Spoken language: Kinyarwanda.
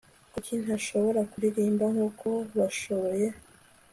kuki ntashobora kuririmba nkuko bashoboye